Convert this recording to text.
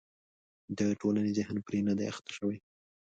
د ټولنې ذهن پرې نه دی اخته شوی.